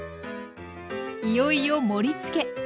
いよいよ盛りつけ。